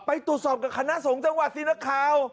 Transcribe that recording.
ไปตรวจสอบกับคณะสงฆลท์นนักข่าว